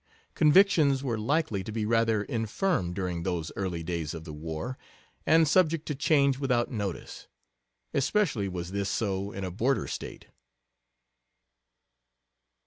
Convictions were likely to be rather infirm during those early days of the war, and subject to change without notice. Especially was this so in a border State.